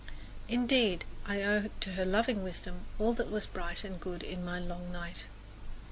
Indeed, I owe to her loving wisdom all that was bright and good in my long night.